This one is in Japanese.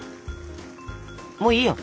もういいよ。